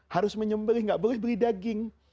harus menyembelih gak beli beli daging